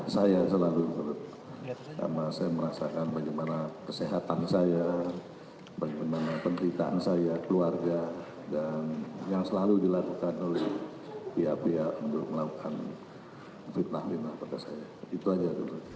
saya selalu karena saya merasakan bagaimana kesehatan saya bagaimana penderitaan saya keluarga dan yang selalu dilakukan oleh pihak pihak untuk melakukan fitnah fitnah pada saya itu aja